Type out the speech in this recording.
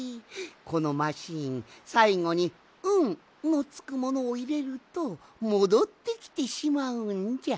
このマシーンさいごに「ん」のつくものをいれるともどってきてしまうんじゃ。